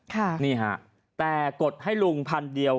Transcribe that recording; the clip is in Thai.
ค่ะนี่ฮะแต่กดให้ลุงพันเดียว